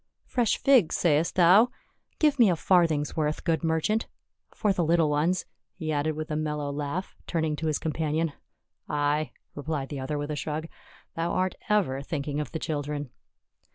" Fresh figs, sayest thou ? Give me a farthing's worth, good merchant. For the little ones," he added with a mellow laugh, turning to his companion. "Ay!" replied the other with a shrug, "thou art ever thinking of the children."